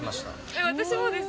えー、私もです。